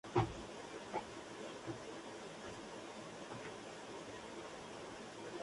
El Scherzo vuelve otra vez en su totalidad, completando así una gran estructura ternaria.